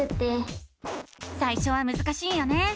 さいしょはむずかしいよね！